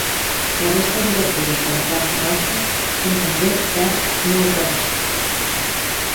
La resta d'obertures de la planta baixa són també d'arc molt rebaixat.